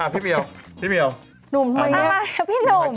พี่เปลวรักษณะหลัวไม้ออก